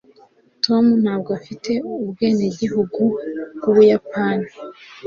tom ntabwo afite ubwenegihugu bw'ubuyapani